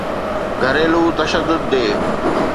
گھريلو تشدد ڊي